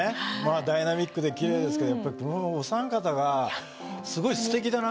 ダイナミックできれいですけどやっぱこのお三方がすごいすてきだな。